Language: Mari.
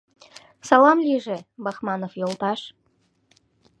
— Салам лийже, Бахманов йолташ.